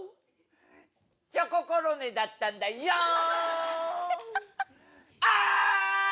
チョココロネだったんだよーん。